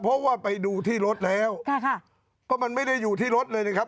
เพราะว่าไปดูที่รถแล้วก็มันไม่ได้อยู่ที่รถเลยนะครับ